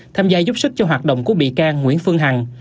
tham gia giúp sức cho hoạt động của bị can nguyễn phương hằng